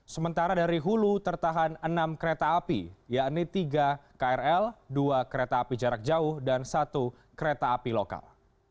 sementara dari hulu tertahan enam kereta api yakni tiga krl dua kereta api jarak jauh dan satu kereta api lokal